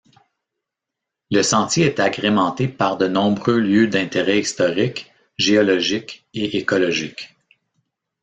Le sentier est agrémenté par de nombreux lieux d'intérêts historique, géologique et écologique.